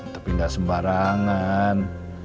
tapi gak sembarangan